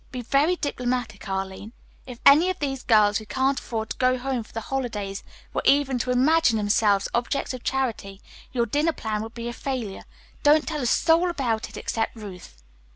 Be very diplomatic, Arline. If any of these girls who can't afford to go home for the holidays were even to imagine themselves objects of charity, your dinner plan would be a failure. Don't tell a soul about it except Ruth."